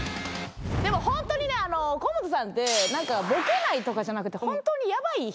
でもホントにね河本さんって何かボケないとかじゃなくてホントにヤバい人なんですよ。